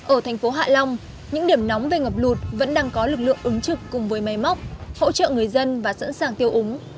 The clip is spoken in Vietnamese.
ở thành phố hạ long những điểm nóng về ngập lụt vẫn đang có lực lượng ứng trực cùng với máy móc hỗ trợ người dân và sẵn sàng tiêu úng